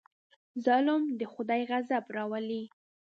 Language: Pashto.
ظلم د خدای غضب راولي.